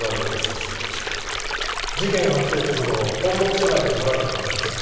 事件発生直後本牧署内で撮られたものです。